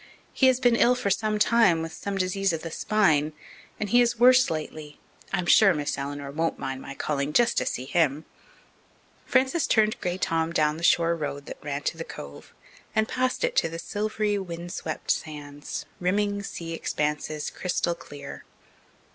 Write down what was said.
He has been ill for some time with some disease of the spine and he is worse lately. I'm sure Miss Eleanor won't mind my calling just to see him." Frances turned Grey Tom down the shore road that ran to the Cove and past it to silvery, wind swept sands, rimming sea expanses crystal clear.